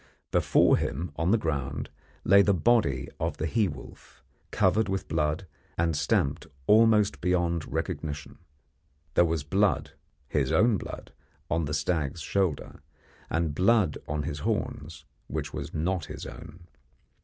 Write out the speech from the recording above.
Before him on the ground lay the body of the he wolf, covered with blood and stamped almost beyond recognition. There was blood his own blood on the stag's shoulder, and blood on his horns, which was not his own.